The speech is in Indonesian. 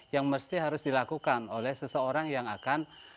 yang mesti harus dilakukan oleh seseorang yang akan